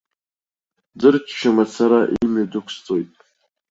Дырччо мацара имҩа дықәсҵоит.